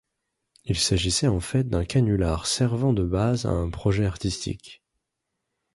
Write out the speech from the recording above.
Il s'agissait en fait d'un canular servant de base à un projet artistique.